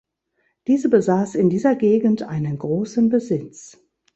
Diese besaß in dieser Gegend einen großen Besitz.